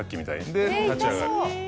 で立ち上がる。